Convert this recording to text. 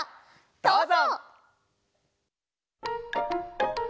どうぞ！